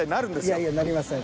いやいやなりません